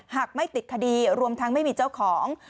หากไม่ติดคดีรวมทั้งไม่มีเจ้าของ